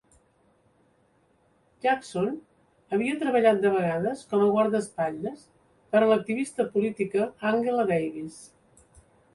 Jackson havia treballat de vegades com a guardaespatlles per a l'activista política Angela Davis.